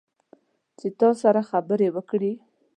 چې تاسو سره خبرې وکړي